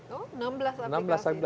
oh enam belas aplikasi baru